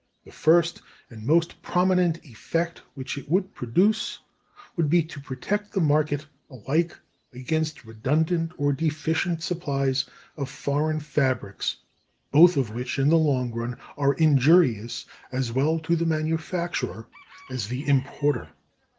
The first and most prominent effect which it would produce would be to protect the market alike against redundant or deficient supplies of foreign fabrics, both of which in the long run are injurious as well to the manufacturer as the importer.